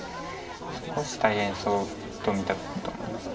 少し大変そうと見たと思います。